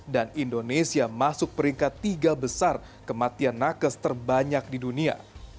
dan indonesia masuk peringkat tiga besar kematian nakes terbanyak di dunia